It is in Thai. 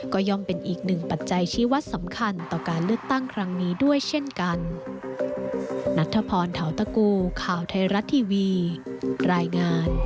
ก็ย่อมเป็นอีกหนึ่งปัจจัยชีวัตรสำคัญต่อการเลือกตั้งครั้งนี้ด้วยเช่นกัน